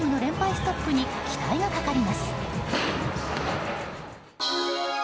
ストップに期待がかかります。